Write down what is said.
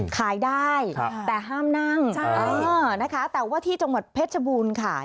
ขายได้แต่ห้ามนั่งใช่นะคะแต่ว่าที่จังหวัดเพชรบูรณ์ค่ะ